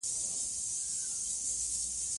افغانستان کې د غرونه لپاره دپرمختیا پروګرامونه شته.